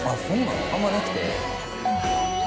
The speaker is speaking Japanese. あんまなくて。